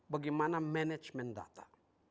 bagaimana manajemen data